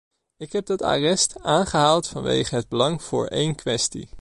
Ik heb dat arrest aangehaald vanwege het belang voor één kwestie.